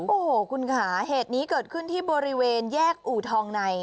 โอ้โหคุณค่ะเหตุนี้เกิดขึ้นที่บริเวณแยกอู่ทองใน